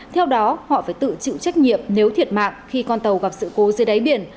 theo đó họ phải tự chịu trách nhiệm nếu thiệt mạng khi con tàu gặp sự cố dưới đáy biển